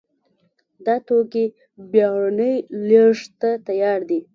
دا توکي بېړنۍ لېږد ته تیار دي.